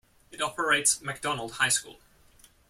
It operates Macdonald High School.